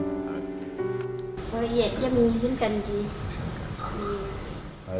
oh iya dia mengizinkan